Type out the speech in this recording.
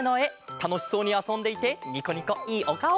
たのしそうにあそんでいてニコニコいいおかお。